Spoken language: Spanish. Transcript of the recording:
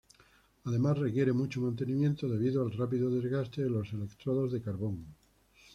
Además requiere mucho mantenimiento debido al rápido desgaste de los electrodos de carbón.